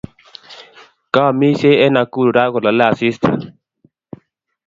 Kaamishe en Nakuru raa kolale asista